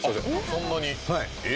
そんなにえ？